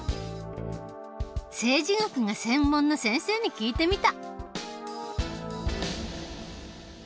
政治学が専門の先生に聞いてみた。